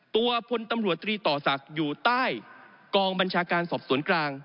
ตัวพตศอยู่ใต้กองบัญชาการสอบสวนกลาง